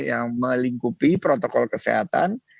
yang melingkupi protokol kesehatan